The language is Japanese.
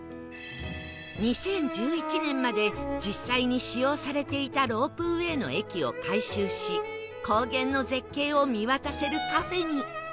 ２０１１年まで実際に使用されていたロープウェイの駅を改修し高原の絶景を見渡せるカフェに